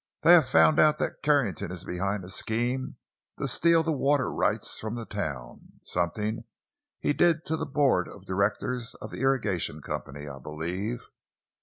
They have found out that Carrington is behind a scheme to steal the water rights from the town—something he did to the board of directors of the irrigation company, I believe.